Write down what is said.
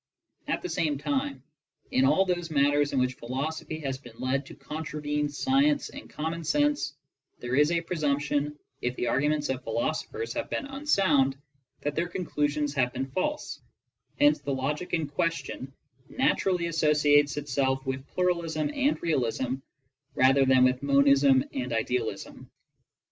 At the same time, in all those matters in which philosophy lias been led to contravene science and common sense, there is a presumption, if the arguments of philoso phers have been unsound, that their conclusions have been false; hence the logic in question naturally associates itself with pluralism and realism rather than with monism and idealism.